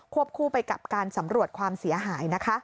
คู่ไปกับการสำรวจความเสียหาย